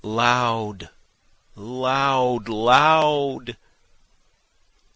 Loud! loud! loud!